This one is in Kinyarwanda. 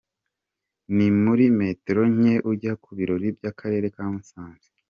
Ni muri metero nke ujya ku birori by’Akarere ka Musanze.